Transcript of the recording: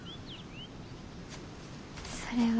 それは。